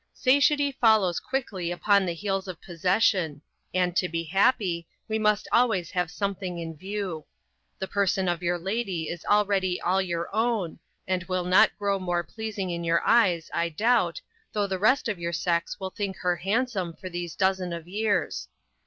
Satiety follows quickly upon the heels of possession; and to be happy, we must always have something in view. The person of your lady is already all your own, and will not grow more pleasing in your eyes I doubt, though the rest of your sex will think her handsome for these dozen of years.